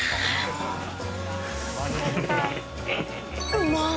うまーい。